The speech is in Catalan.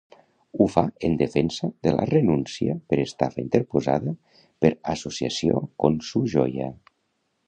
Ho fa en defensa de la denúncia per estafa interposada per associació Consujoya